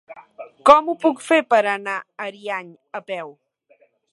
Com ho puc fer per anar a Ariany a peu?